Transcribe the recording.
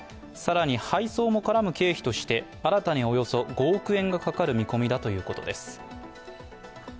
更に配送も絡む経費として新たにおよそ５億円がかかる見込みだということです。